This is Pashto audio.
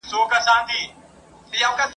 پوهه د خلکو ترمنځ د درناوي کلتور رامنځ ته کوي.